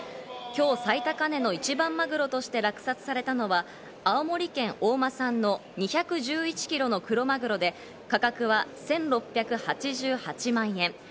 今日、最高値の一番マグロとして落札されたのは、青森県大間産の２１１ｋｇのクロマグロで、価格は１６８８万円。